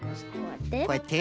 こうやって。